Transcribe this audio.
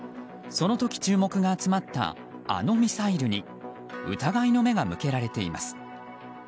その時、注目が集まったあのミサイルに疑いの目が向けられています。